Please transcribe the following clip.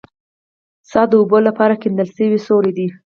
څا د اوبو لپاره کیندل شوی سوری دی